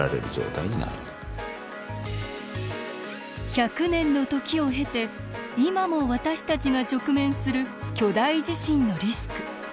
１００年の時を経て今も私たちが直面する巨大地震のリスク。